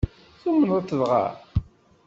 Tumneḍ-t dɣa?